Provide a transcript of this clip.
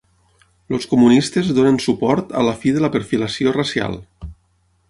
Els comunistes donen suport a la fi de la perfilació racial.